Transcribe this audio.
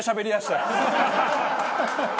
ハハハハ！